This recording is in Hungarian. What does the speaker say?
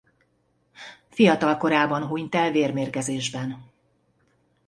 Fiatal korában hunyt el vérmérgezésben.